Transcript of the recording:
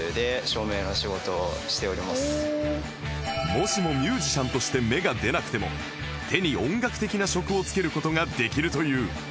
もしもミュージシャンとして芽が出なくても手に音楽的な職をつける事ができるという